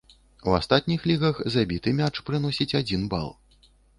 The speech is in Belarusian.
У астатніх лігах забіты мяч прыносіць адзін бал.